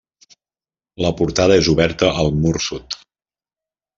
La portada és oberta al mur sud.